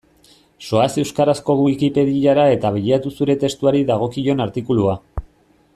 Zoaz euskarazko Wikipediara eta bilatu zure testuari dagokion artikulua.